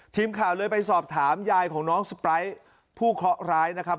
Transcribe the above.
ทีมข่าวเลยไปสอบถามยายของน้องสปายผู้เคาะร้ายนะครับ